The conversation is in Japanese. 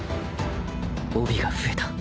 帯が増えた。